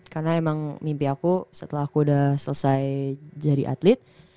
karena emang mimpi aku setelah aku udah selesai jadi atlet